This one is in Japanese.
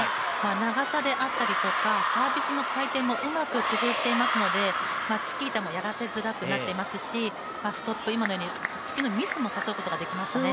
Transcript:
長さであったりとか、サービスの回転もうまく工夫していますので、チキータもやらせづらくなっていますし、ストップ、今のようにツッツキのミスも誘うことができましたね。